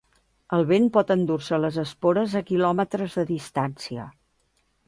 El vent pot endur-se les espores a quilòmetres de distància.